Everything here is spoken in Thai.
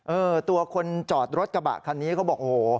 ตัวคนจอดรถกระบะคันนี้เขาบอกโอ้โห